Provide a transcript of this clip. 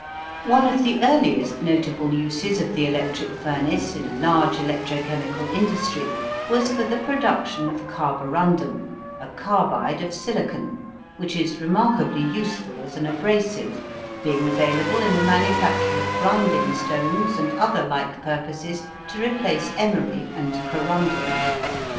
One of the earliest notable uses of the electric furnace in a large electro chemical industry was for the production of carborundum, a carbide of silicon, which is remarkably useful as an abrasive, being available in the manufacture of grinding stones and other like purposes to replace emery and corundum.